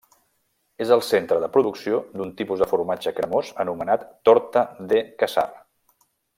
És el centre de producció d'un tipus de formatge cremós anomenat Torta de Casar.